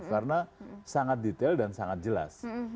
karena sangat detail dan sangat jelas